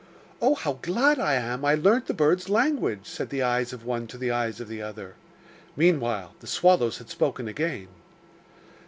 'Oh, how glad I am I learnt the birds' language!' said the eyes of one to the eyes of the other. Meanwhile the swallows had spoken again.